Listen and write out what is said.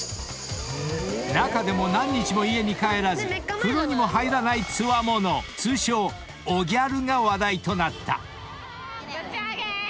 ［中でも何日も家に帰らず風呂にも入らないつわもの通称汚ギャルが話題となった］